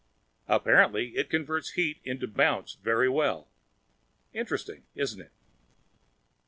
Apparently it converts heat into bounce very well. Interesting, isn't it?"